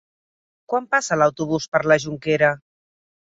Quan passa l'autobús per la Jonquera?